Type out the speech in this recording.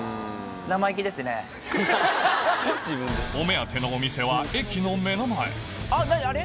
お目当てのお店は駅の目の前あっ何あれ？